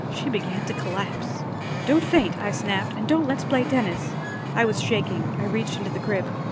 She began to collapse. "Don't faint," I snapped, "and don't let's play tennis." I was shaking. I reached into the crib.